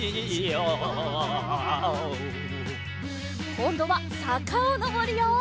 こんどはさかをのぼるよ！